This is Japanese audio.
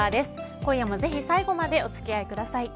今夜もぜひ最後までお付き合いください。